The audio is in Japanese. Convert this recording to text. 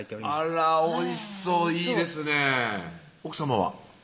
あらおいしそういいですね奥さまは？